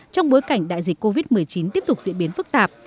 trong bối cảnh đại dịch covid một mươi chín tiếp tục diễn biến phức tạp